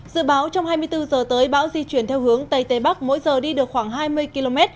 dự báo trong hai mươi bốn h tới bão di chuyển theo hướng tây tây bắc mỗi giờ đi được khoảng hai mươi km